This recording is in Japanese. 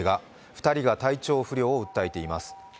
２人が体調不良を訴えています。